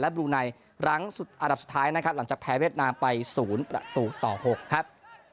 บลูไนรั้งสุดอันดับสุดท้ายนะครับหลังจากแพ้เวียดนามไป๐ประตูต่อ๖ครับ